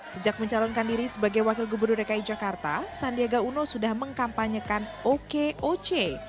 sejak mencalonkan diri sebagai wakil gubernur dki jakarta sandiaga uno sudah mengkampanyekan okoc